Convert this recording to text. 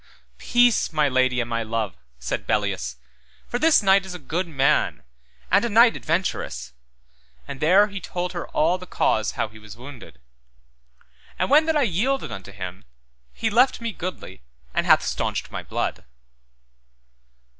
Peace, my lady and my love, said Belleus, for this knight is a good man, and a knight adventurous, and there he told her all the cause how he was wounded; And when that I yielded me unto him, he left me goodly and hath staunched my blood.